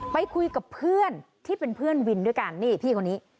ไปคุยกับเพื่อนที่เป็นเพื่อนวินด้วยกันนี่พี่คนนี้